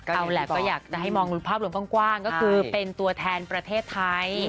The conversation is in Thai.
เอาแหละก็อยากจะให้มองภาพรวมกว้างก็คือเป็นตัวแทนประเทศไทย